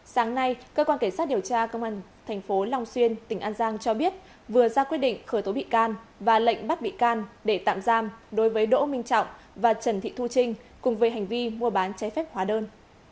sáng nay cơ quan cảnh sát điều tra công an tp long xuyên tỉnh an giang cho biết vừa ra quyết định khởi tố bị can và lệnh bắt bị can để tạm giam đối với đỗ minh trọng và trần thị thu trinh cùng về hành vi mua bán trái phép hóa đơn